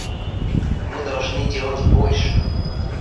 Мы должны делать больше.